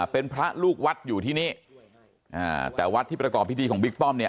เป็นพระลูกวัดอยู่ที่นี่แต่วัดที่ประกอบพิธีของบิ๊กป้อมเนี่ย